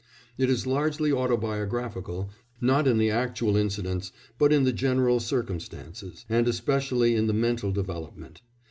It is largely autobiographical, not in the actual incidents, but in the general circumstances, and especially in the mental development.